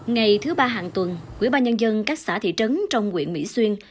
ngày thứ ba hàng tuần quỹ ba nhân dân các xã thị trấn trong quyện mỹ xuyên